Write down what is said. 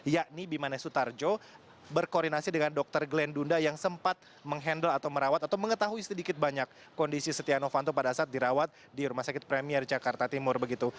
yakni bimanes sutarjo berkoordinasi dengan dokter glenn dunda yang sempat menghandle atau merawat atau mengetahui sedikit banyak kondisi setia novanto pada saat dirawat di rumah sakit premier jakarta timur begitu